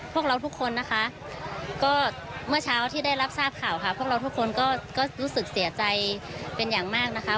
พวกเราทุกคนนะคะก็เมื่อเช้าที่ได้รับทราบข่าวค่ะพวกเราทุกคนก็รู้สึกเสียใจเป็นอย่างมากนะคะ